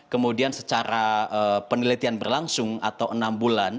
kemudian secara penelitian berlangsung atau enam bulan